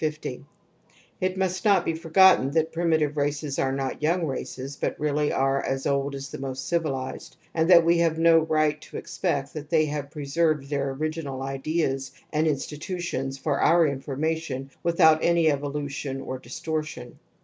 — It must not be forgotten that primi tive races are not young races but really are as old as the most civilized, and that we have no right to expect that they have preserved their original ideas and institutions for our information without any evolution or distortion.